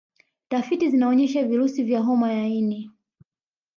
Tafiti zinaonyesha virusi vya homa ya ini